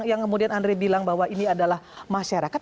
yang kemudian andre bilang bahwa ini adalah masyarakat